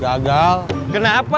nggak ada yang nge subscribe